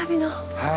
はい。